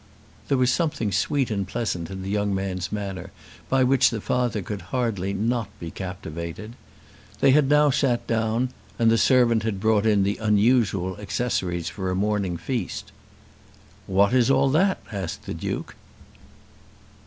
There was something sweet and pleasant in the young man's manner by which the father could hardly not be captivated. They had now sat down, and the servant had brought in the unusual accessories for a morning feast. "What is all that?" asked the Duke.